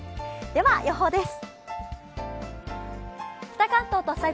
では、予報です。